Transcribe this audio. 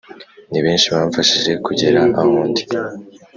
Ni benshi bamfashije kugera ahondi!